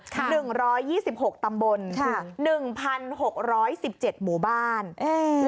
หนึ่งร้อยยี่สิบหกตำบลค่ะหนึ่งพันหกร้อยสิบเจ็ดหมู่บ้านเออ